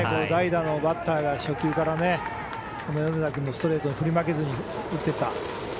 代打のバッターが初球から米田君のストレートに振り負けずに打てた。